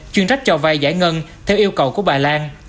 chuyên trách cho vay giải ngân theo yêu cầu của bà lan